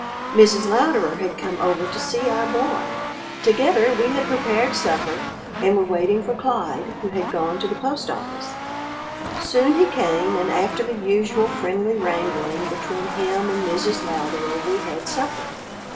Mrs. Louderer had come over to see our boy. Together we had prepared supper and were waiting for Clyde, who had gone to the post office. Soon he came, and after the usual friendly wrangling between him and Mrs. Louderer we had supper.